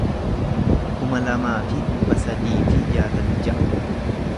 kuma lamaa fi dhibba sadii fi jaatamii ja'a